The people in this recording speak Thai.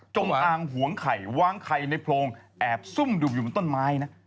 จงอางหวงไข่วางไข่ในโพรงแอบซุ่มดูอยู่บนต้นไม้นะ